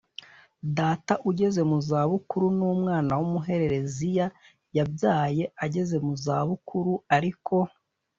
data ugeze mu za bukuru n umwana w umuhererezia yabyaye ageze mu za bukuru Ariko